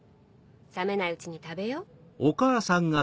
冷めないうちに食べよ。